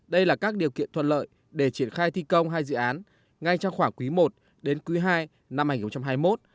đây là các điều kiện thuận lợi để triển khai thi công hai dự án ngay trong khoảng quý i đến quý ii năm hai nghìn hai mươi một